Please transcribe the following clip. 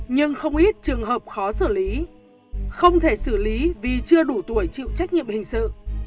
nhưng không ít trường hợp khó xử lý không thể xử lý vì chưa đủ tuổi chịu trách nhiệm hình sự